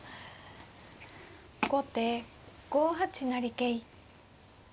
後手５八成桂。